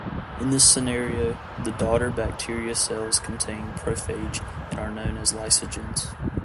In this scenario, the daughter bacteria cells contain prophage and are known as lysogens.